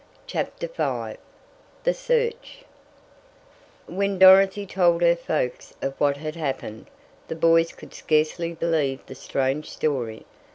CHAPTER V THE SEARCH When Dorothy told her folks of what had happened, the boys could scarcely believe the strange story.